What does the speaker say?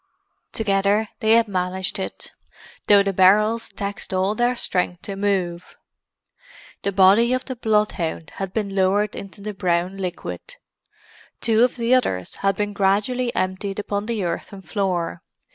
Together they had managed it, though the barrels taxed all their strength to move. The body of the bloodhound had been lowered into the brown liquid; two of the others had been gradually emptied upon the earthen floor.